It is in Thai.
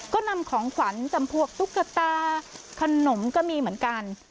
ก็นำของขวัญจำพวกตุ๊กตาขนมก็มีเหมือนกัน